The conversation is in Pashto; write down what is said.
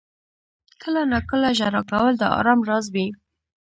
• کله ناکله ژړا کول د آرام راز وي.